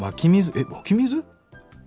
えっ湧き水？